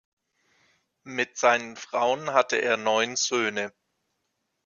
Mit seinen Frauen hatte er neun Söhne.